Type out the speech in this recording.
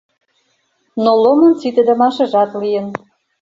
Но Ломын ситыдымашыжат лийын.